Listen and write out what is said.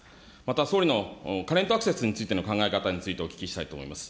総理のカレント・アクセスについての考え方についてお聞きしたいと思います。